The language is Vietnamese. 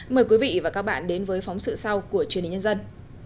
mời quý vị và các bạn đến với phóng sự sau của truyền hình nhân dân